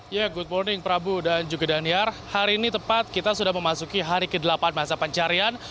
ya good morning prabu dan juga daniar hari ini tepat kita sudah memasuki hari ke delapan masa pencarian